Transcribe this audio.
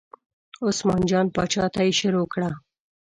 عثمان جان پاچا ته یې شروع کړه.